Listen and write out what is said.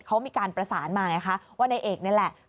เขามีการประสานว่านายเอกนั่นแหละ